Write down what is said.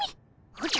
おじゃ？